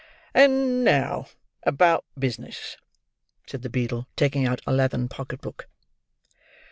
"And now about business," said the beadle, taking out a leathern pocket book.